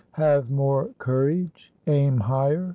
"HAVE MORE COURAGE. AIM HIGHER.